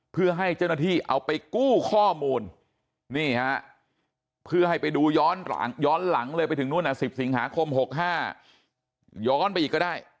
เพื่อให้เจ้าหน้าที่เอาไปกู้ข้อมูลนี่ฮะเพื่อให้ไปดูย้อนหลังเลยไปถึงนู่น๑๐สิงหาคม๖๕ย้อนไปอีกก็ได้